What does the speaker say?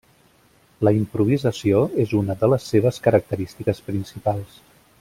La improvisació és una de les seves característiques principals.